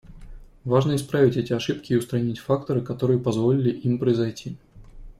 Важно исправить эти ошибки и устранить факторы, которые позволили им произойти.